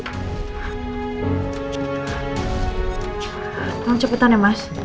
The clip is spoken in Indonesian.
tolong cepetan ya mas